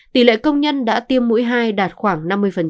tỷ lệ công nhân đã tiêm mũi hai đạt khoảng năm mươi